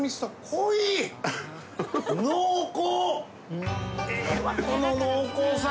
この濃厚さ。